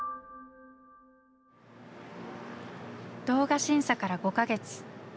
動画審査から５か月。